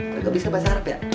lo gak bisa bahasa arab ya